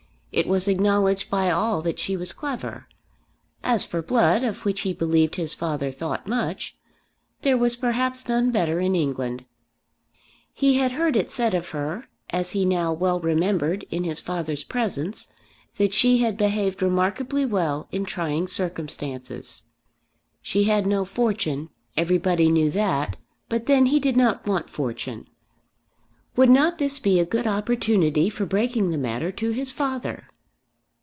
It was acknowledged by all that she was clever. As for blood, of which he believed his father thought much, there was perhaps none better in England. He had heard it said of her, as he now well remembered, in his father's presence, that she had behaved remarkably well in trying circumstances. She had no fortune; everybody knew that; but then he did not want fortune. Would not this be a good opportunity for breaking the matter to his father?